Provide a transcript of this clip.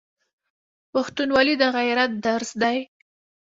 پښتونولي د غیرت درس دی.